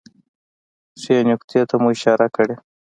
ښې نکتې ته مو اشاره کړې